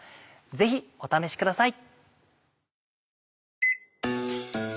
ぜひお試しください。